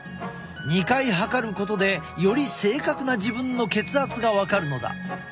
２回測ることでより正確な自分の血圧が分かるのだ。